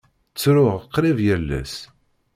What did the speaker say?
Ttruɣ qrib yal ass.